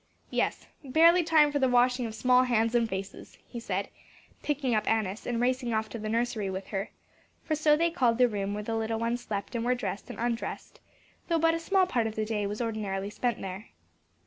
"Yes; barely time for the washing of small hands and faces," he said, picking up Annis and racing off to the nursery with her; for so they called the room where the little ones slept and were dressed and undressed, though but a small part of the day was ordinarily spent there.